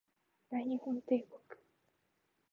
大日本帝国